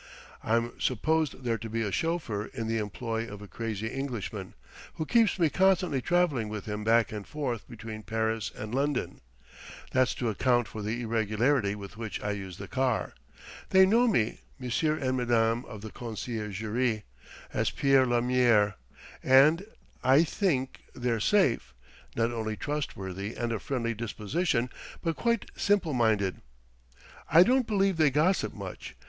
I'm supposed there to be a chauffeur in the employ of a crazy Englishman, who keeps me constantly travelling with him back and forth between Paris and London. That's to account for the irregularity with which I use the car. They know me, monsieur and madame of the conciergerie, as Pierre Lamier; and I think they're safe not only trustworthy and of friendly disposition, but quite simple minded; I don't believe they gossip much.